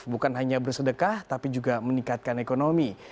bukan hanya bersedekah tapi juga meningkatkan ekonomi